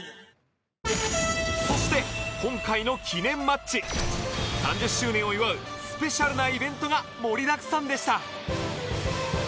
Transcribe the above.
そして今回の記念マッチ３０周年を祝うスペシャルなイベントが盛りだくさんでした